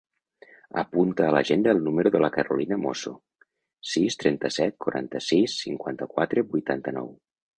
Apunta a l'agenda el número de la Carolina Mozo: sis, trenta-set, quaranta-sis, cinquanta-quatre, vuitanta-nou.